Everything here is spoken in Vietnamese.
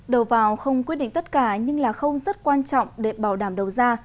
đầu vào không quyết định tất cả nhưng là không rất quan trọng để bảo đảm đầu ra